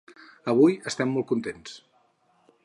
Avui estem molt contents.